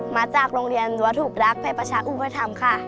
มาจากโรงเรียนวัตถุปรักษ์ภัยประชาอุปธรรมค่ะ